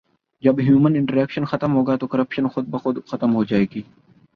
جب human interaction ختم ہوگا تو کرپشن خودبخود ختم ہو جائے گی